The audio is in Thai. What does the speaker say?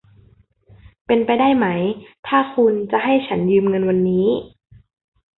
เป็นไปได้ไหม ถ้าคุณจะให้ฉันยืมเงินวันนี้